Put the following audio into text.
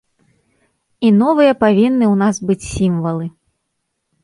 І новыя павінны ў нас быць сімвалы.